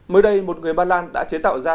mới đây một người ba lan đã chế tạo ra